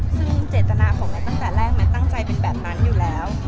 ซึ่งเจตนาของแมทตั้งแต่แรกแมทตั้งใจเป็นแบบนั้นอยู่แล้ว